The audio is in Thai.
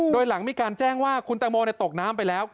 โดยหลังมีการแจ้งว่าคุณแตงโมตกน้ำไปแล้ว